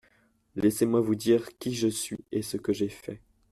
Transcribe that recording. Laissez-moi vous dire qui je suis et ce que j’ai fait.